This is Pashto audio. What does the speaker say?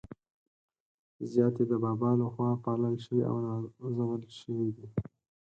زیات يې د بابا له خوا پالل شوي او نازول شوي دي.